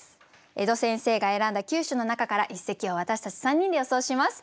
江戸先生が選んだ９首の中から一席を私たち３人で予想します。